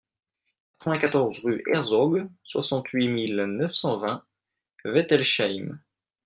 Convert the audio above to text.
quatre-vingt-quatorze rue Herzog, soixante-huit mille neuf cent vingt Wettolsheim